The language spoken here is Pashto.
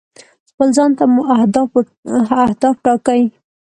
خپل ځان ته مو اهداف ټاکئ.